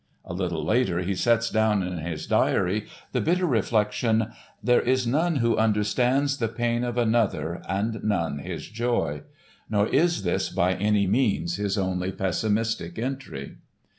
A little later he sets down in his diary the bitter reflection: "There is none who understands the pain of another and none his joy." Nor is this by any means his only pessimistic entry.